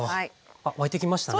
あっ沸いてきましたね。